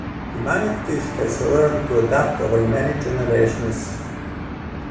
Humanity has learned to adapt over many generations.